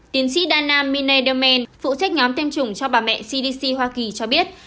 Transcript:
tiến sĩ đan nam mine delmen phụ trách nhóm tiêm chủng cho bà mẹ cdc hoa kỳ cho biết